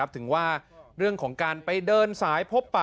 ถึงว่าเรื่องของการไปเดินสายพบปะ